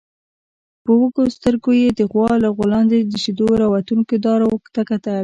په وږو سترګويې د غوا له غولانځې د شيدو راوتونکو دارو ته کتل.